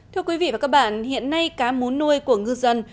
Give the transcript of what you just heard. thưa quý vị và các bạn hiện nay cá mún nuôi của ngư dân